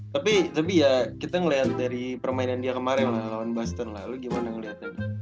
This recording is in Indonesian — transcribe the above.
tapi tapi ya kita ngeliat dari permainan dia kemarin lah lawan bastun lah lo gimana ngeliatnya